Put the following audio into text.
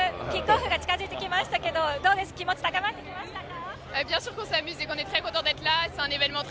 開幕、キックオフが近づいてきましたがどうですか、気持ちは高まってきましたか。